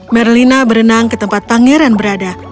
merlina berenang ke tempat pangeran berada